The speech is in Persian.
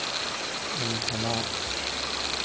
امتناع